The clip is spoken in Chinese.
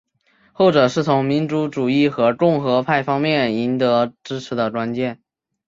后者是从民族主义和共和派方面赢得支持的关键。